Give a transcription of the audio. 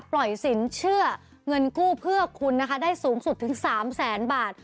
สินเชื่อเงินกู้เพื่อคุณนะคะได้สูงสุดถึง๓แสนบาท